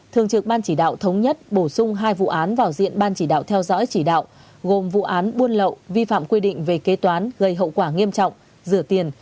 thường trực ban chỉ đạo thống nhất bổ sung hai vụ án vào diện ban chỉ đạo theo dõi chỉ đạo gồm vụ án buôn lậu vi phạm quy định về kế toán gây hậu quả nghiêm trọng rửa tiền